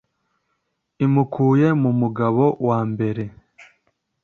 imukuye mu mugabo wa mbere